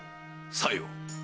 さよう！